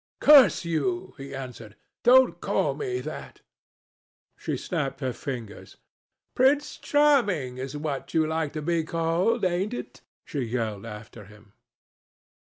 "Curse you!" he answered, "don't call me that." She snapped her fingers. "Prince Charming is what you like to be called, ain't it?" she yelled after him.